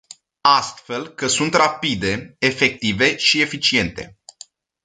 Astfel că sunt rapide, efective și eficiente.